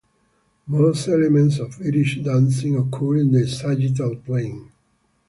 Most elements of Irish dancing occur in the sagittal plane.